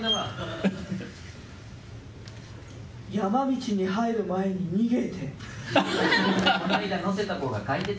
山道に入る前に逃げて。